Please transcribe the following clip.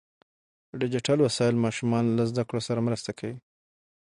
ډیجیټل وسایل ماشومان له زده کړو سره مرسته کوي.